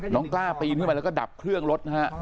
น้องกล้าปีนขึ้นไปแล้วก็ดับเครื่องรถนะฮะ